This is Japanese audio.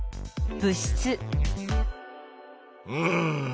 うん。